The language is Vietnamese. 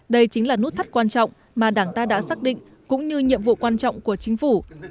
đây chính là nút thắt quan trọng mà đảng ta đã xác định cũng như nhiệm vụ quan trọng của chính phủ